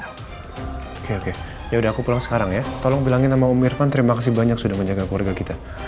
oke oke yaudah aku pulang sekarang ya tolong bilangin sama om irfan terima kasih banyak sudah menjaga keluarga kita